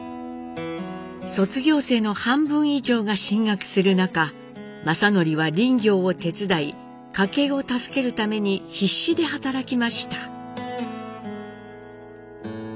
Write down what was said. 卒業生の半分以上が進学する中正徳は林業を手伝い家計を助けるために必死で働きました。